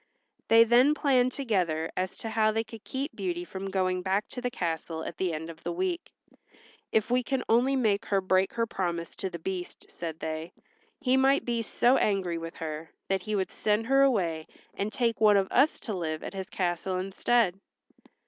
They then planned together as to how they could keep Beauty from going back to the castle at the end of the week. "If we can only make her break her promise to the Beast," said they, "he might be so angry with her that he would send her away and take one of us to live at his castle instead."